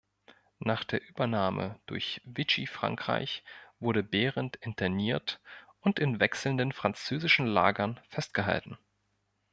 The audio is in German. Nach der Übernahme durch Vichy-Frankreich wurde Behrendt interniert und in wechselnden französischen Lagern festgehalten.